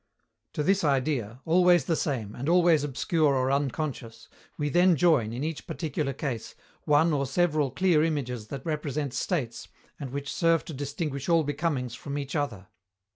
To this idea, always the same, and always obscure or unconscious, we then join, in each particular case, one or several clear images that represent states and which serve to distinguish all becomings from each other.